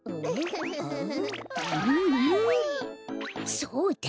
そうだ！